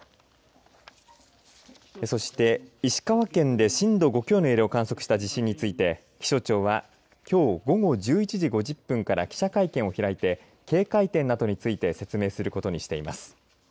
そして石川県で震度５強の揺れを観測した地震について気象庁はきょう午後１１時５０分から記者会見を開いて警戒点などについて説明することにしています。